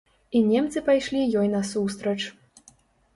І немцы пайшлі ёй насустрач.